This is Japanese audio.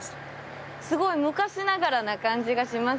すごい昔ながらな感じがしますね。